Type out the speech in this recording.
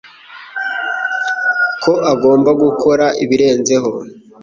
ko agomba gukora ibirenzeho